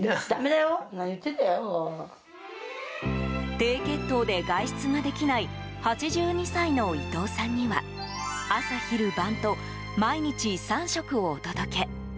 低血糖で外出ができない８２歳の伊藤さんには朝昼晩と、毎日３食をお届け。